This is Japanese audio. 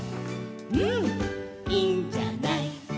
「うん、いいんじゃない」